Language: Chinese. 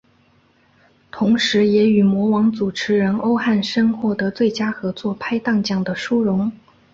同时也与模王主持人欧汉声获得最佳合作拍档奖的殊荣。